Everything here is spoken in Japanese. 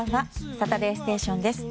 「サタデーステーション」です。